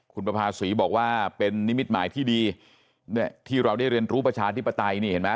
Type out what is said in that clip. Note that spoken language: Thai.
คุณประภาษีบอกว่าเป็นนิมิตหมายที่ดีที่เราได้เรียนรู้ประชาธิปไตยนี่เห็นไหม